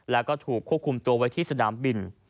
แล้วก็ถูกควบคุมตัวไว้ที่สนามบิน